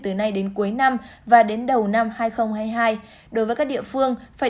từ nay đến cuối năm và đến đầu năm hai nghìn hai mươi hai